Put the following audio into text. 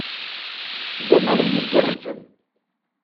D amahil igerrzen.